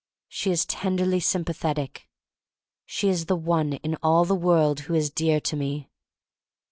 She is tenderly sympathetic. She is the one in all the world who is dear to me.